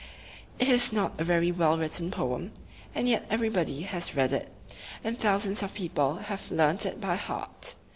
It is not a very well written poem, and yet everybody has read it, and thousands of people have learned it by heart.